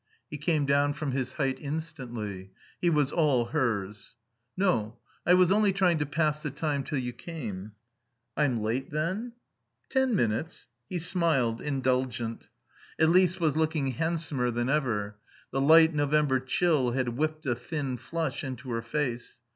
He came down from his height instantly. He was all hers. "No. I was only trying to pass the time till you came." "I'm late then?" "Ten minutes." He smiled, indulgent Elise was looking handsomer than ever. The light November chill had whipped a thin flush into her face.